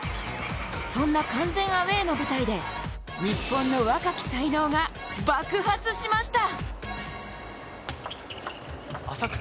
そんな完全アウェーの舞台で、日本の若き才能が爆発しました。